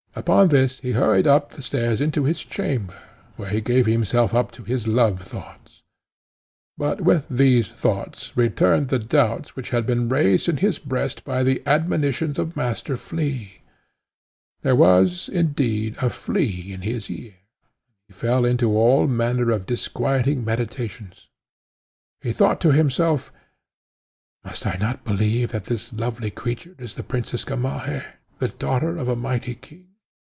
Upon this he hurried up the stairs into his chamber, where he gave himself up to his love thoughts, but with these thoughts returned the doubts which had been raised in his breast by the admonitions of Master Flea. There was, indeed, a flea in his ear, and he fell into all manner of disquieting meditations. He thought to himself, "Must I not believe that this lovely creature is the Princess Gamaheh, the daughter of a mighty king?